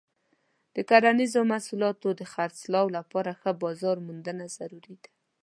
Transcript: د کرنیزو محصولاتو د خرڅلاو لپاره ښه بازار موندنه ضروري ده.